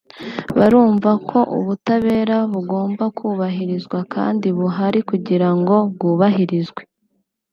barumva ko ubutabera bugomba kubahirizwa kandi buhari kugira ngo bwubahirizwe”